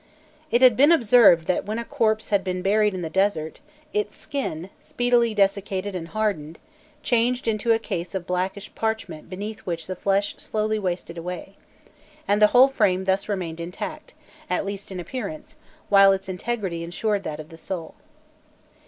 It had been observed that when a corpse had been buried in the desert, its skin, speedily desiccated and hardened, changed into a case of blackish parchment beneath which the flesh slowly wasted away,[*] and the whole frame thus remained intact, at least in appearance, while its integrity ensured that of the soul.